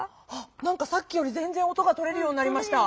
何かさっきよりぜんぜん音がとれるようになりました。